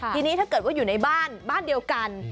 ทีนี้ถ้าเกิดว่าอยู่ในบ้านบ้านเดียวกัน